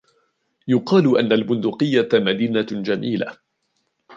يُقال أن البندقيّة مدينة جميلة.